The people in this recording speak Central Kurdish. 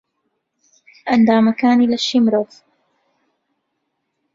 ئەندامەکانی لەشی مرۆڤ